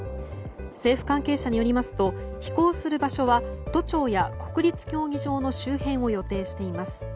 政府関係者によりますと飛行する場所は都庁や国立競技場の周辺を予定しています。